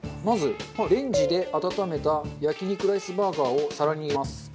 まずレンジで温めた焼肉ライスバーガーを皿に入れます。